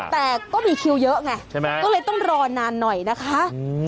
แต่ก็มีคิวเยอะไงใช่ไหมก็เลยต้องรอนานหน่อยนะคะ